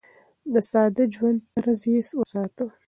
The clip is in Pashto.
د ساده ژوند طرز يې وساته.